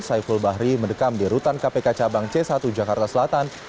saiful bahri mendekam di rutan kpk cabang c satu jakarta selatan